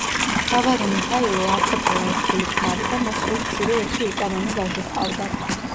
მთავარი მიჰაილო არ ყოფილა ერთგული ქმარი და მას სულ მცირე ერთი უკანონო ვაჟი ჰყავდა.